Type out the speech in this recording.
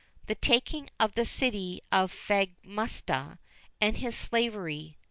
The taking of the city of Famagusta, and his slavery.